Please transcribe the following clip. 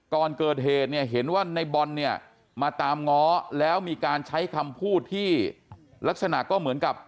ก่อนเกิดเหตุเนี่ยเห็นว่าในบอลเนี่ยมาตามง้อแล้วมีการใช้คำพูดที่ลักษณะก็เหมือนกับ